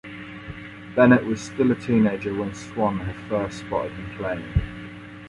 Bennett was still a teenager when Swan had first spotted him playing.